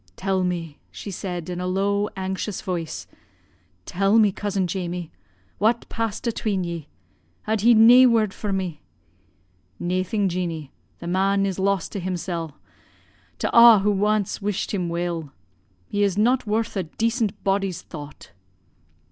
'Tell me,' she said in a low anxious voice, 'tell me, cousin Jamie, what passed atween ye. Had he nae word for me?' "'Naething, Jeanie, the man is lost to himsel', to a' who ance wished him weel. He is not worth a decent body's thought.'